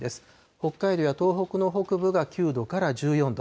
北海道や東北の北部が９度から１４度。